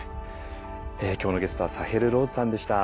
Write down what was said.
今日のゲストはサヘル・ローズさんでした。